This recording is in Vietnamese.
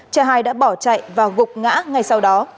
cha hai đã bỏ chạy và gục ngã ngay sau đó